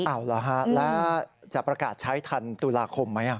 เหรอฮะแล้วจะประกาศใช้ทันตุลาคมไหม